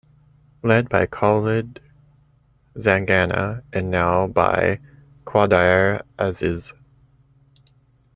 Led by Khalid Zangana and now by Qadir Aziz.